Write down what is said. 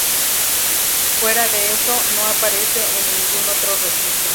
Fuera de eso no aparece en ningún otro registro.